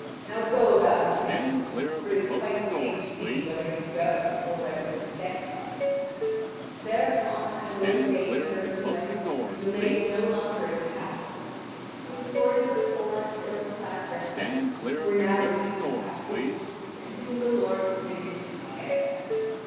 Now go about your business. For it is quite the same to me whether you go or whether you stay." (Vv. 5771 5871.) Thereupon my lord Yvain turns away and delays no longer in the castle. He escorted the poor and ill clad wretches, who were now released from captivity, and whom the lord committed to his care.